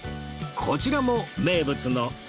こちらも名物のかき氷